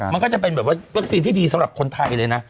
มันก็จะเป็นแบบว่าวัคซีนที่ดีสำหรับคนไทยเลยนะ